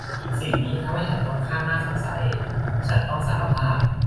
สิ่งนี้ทำให้ฉันค่อนข้างน่าสงสัยฉันต้องสารภาพ